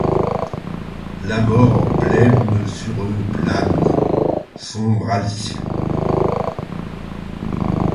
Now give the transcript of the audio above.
La mort blême sur eux plane, sombre alcyon ;